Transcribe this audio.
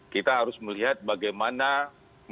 kita harus melihat bagaimana situasi